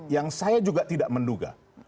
yang saya juga tidak menduga